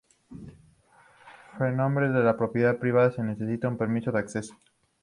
Fremont es de propiedad privada y se necesita un permiso de acceso.